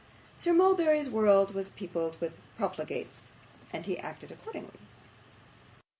Sir Mulberry's world was peopled with profligates, and he acted accordingly.